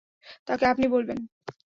তাকে আপনি বলবেন?